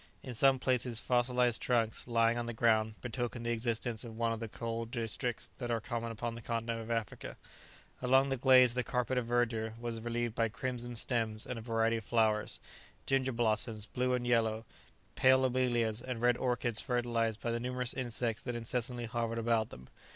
In some places, fossilized trunks, lying on the ground, betokened the existence of one of the coal districts that are common upon the continent of Africa. Along the glades the carpet of verdure was relieved by crimson stems and a variety of flowers; ginger blossoms, blue and yellow, pale lobelias, and red orchids fertilized by the numerous insects that incessantly hovered about them.